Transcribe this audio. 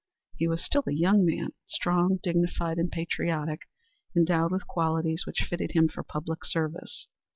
He was still a young man strong, dignified, and patriotic endowed with qualities which fitted him for public service.